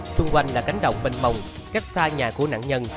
xung quanh là cánh đồng bên mồng cách xa nhà của nạn nhân